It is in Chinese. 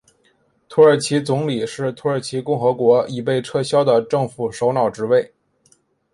土耳其总理是土耳其共和国已被撤销的政府首脑职位。